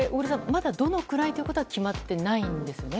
まだどのくらいかというのは決まってないんですよね。